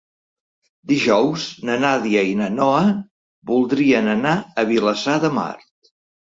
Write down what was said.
Dijous na Nàdia i na Noa voldrien anar a Vilassar de Mar.